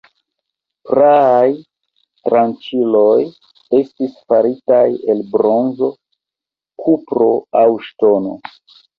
Praaj tranĉiloj estis faritaj el bronzo, kupro aŭ ŝtono.